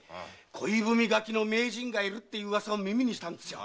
恋文書きの名人がいるって噂を耳にしたんですよ。